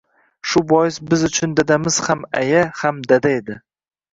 Shu bois biz uchun dadamiz ham aya, ham dada edi.